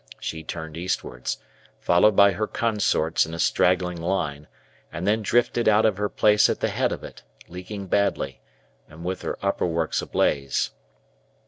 She turned eastwards, followed by her consorts in a straggling line, and then drifted out of her place at the head of it, leaking badly, and with her upper works ablaze.